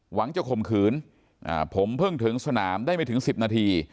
หวังจะข่มขืนผมเพิ่งถึงสนามได้ไม่ถึง๑๐นาที